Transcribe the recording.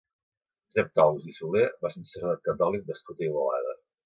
Josep Tous i Soler va ser un sacerdot catòlic nascut a Igualada.